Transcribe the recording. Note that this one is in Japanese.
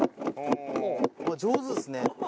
上手ですね。